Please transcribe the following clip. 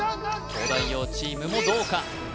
東大王チームもどうか？